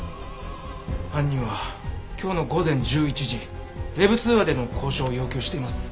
犯人は今日の午前１１時Ｗｅｂ通話での交渉を要求しています。